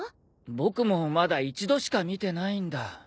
僕もまだ一度しか見てないんだ。